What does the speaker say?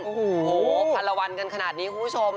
โอ้โหภารวรรณกันขนาดนี้คุณผู้ชม